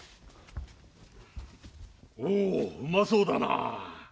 おおうまそうだな。